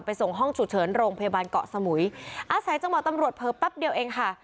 ส่งห้องฉุกเฉินโรงพยาบาลเกาะสมุยอาศัยจังหวะตำรวจเผลอแป๊บเดียวเองค่ะ